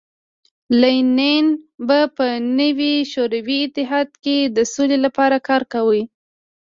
لینین به په نوي شوروي اتحاد کې د سولې لپاره کار کاوه